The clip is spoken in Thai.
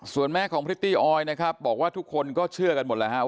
ส่วนแม่ของพริตตี้ออยนะครับบอกว่าทุกคนก็เชื่อกันหมดแล้วครับ